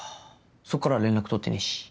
そっから連絡取ってねえし。